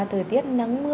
thời tiết nắng mưa